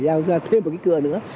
giao ra thêm một cái cửa nữa